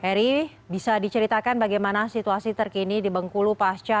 heri bisa diceritakan bagaimana situasi terkini di bengkulu pak asca